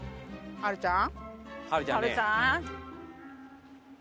はるちゃん。